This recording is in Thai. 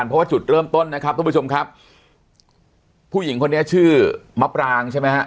เพราะว่าจุดเริ่มต้นนะครับทุกผู้ชมครับผู้หญิงคนนี้ชื่อมะปรางใช่ไหมฮะ